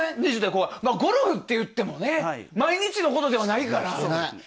ゴルフっていっても毎日のことじゃないから。